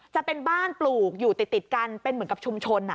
จะเป็นบ้านปลูกอยู่ติดกันเป็นเหมือนกับชุมชน